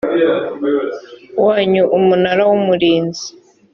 wanyu umunara w umurinzi